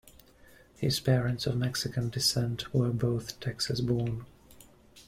His parents, of Mexican descent, were both Texas-born.